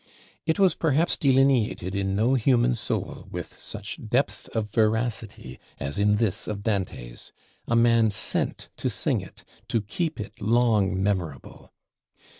It was perhaps delineated in no human soul with such depth of veracity as in this of Dante's; a man sent to sing it, to keep it long memorable.